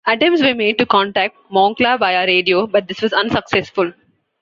Attempts were made to contact Moncla via radio, but this was unsuccessful.